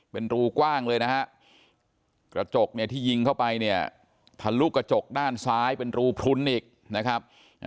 เป็นรูกว้างเลยนะฮะกระจกเนี่ยที่ยิงเข้าไปเนี่ยทะลุกระจกด้านซ้ายเป็นรูพลุนอีกนะครับ